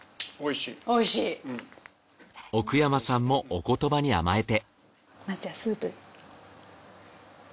奥山さんもお言葉に甘えて。